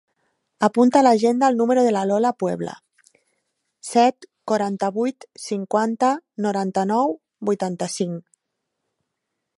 Apunta a l'agenda el número de la Lola Puebla: set, quaranta-vuit, cinquanta, noranta-nou, vuitanta-cinc.